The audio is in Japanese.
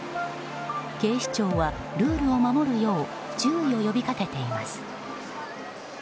警視庁はルールを守るよう注意を呼び掛けています。